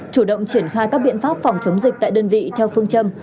chủ động triển khai các biện pháp phòng chống dịch tại đơn vị theo phương châm